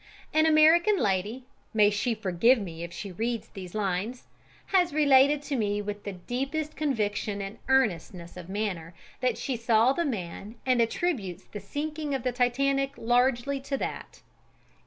An American lady may she forgive me if she reads these lines! has related to me with the deepest conviction and earnestness of manner that she saw the man and attributes the sinking of the Titanic largely to that.